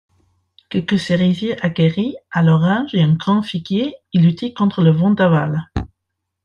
Quelques cerisiers aguerris à l'orage et un grand figuier y luttaient contre le vent d'aval.